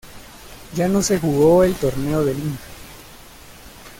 Ya no se jugó el Torneo del Inca.